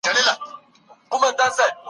قران د ژوند د هري برخې لپاره لارښووني لري.